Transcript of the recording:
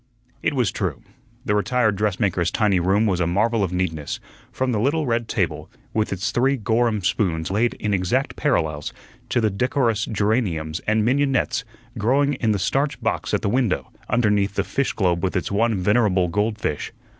It was true. The retired dressmaker's tiny room was a marvel of neatness, from the little red table, with its three Gorham spoons laid in exact parallels, to the decorous geraniums and mignonettes growing in the starch box at the window, underneath the fish globe with its one venerable gold fish.